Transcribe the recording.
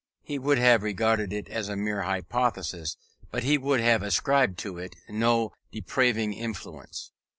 He would have regarded it as a mere hypothesis; but he would have ascribed to it no depraving influence.